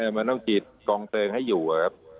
มันต้องฉีดกองเติงให้อยู่ครับ